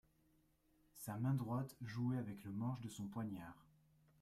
Sa main droite jouait avec le manche de son poignard.